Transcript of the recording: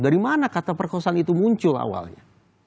dari mana kata perkosaan itu muncul awalnya